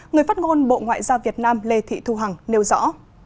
người phát ngôn bộ ngoại giao việt nam lê thị thu hằng nêu rõ